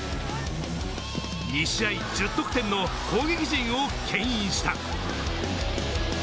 ２試合１０得点の攻撃陣を牽引した。